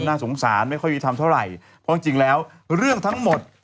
น่าสงสารไม่ค่อยมีทำเท่าไหร่เพราะจริงแล้วเรื่องทั้งหมด